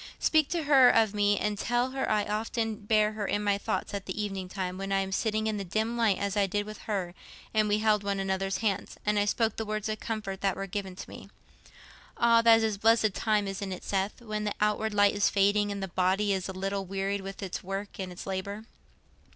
Speak to her of me, and tell her I often bear her in my thoughts at evening time, when I am sitting in the dim light as I did with her, and we held one another's hands, and I spoke the words of comfort that were given to me. Ah, that is a blessed time, isn't it, Seth, when the outward light is fading, and the body is a little wearied with its work and its labour.